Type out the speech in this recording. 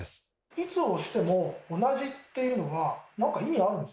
いつ押しても同じっていうのは何か意味あるんですか？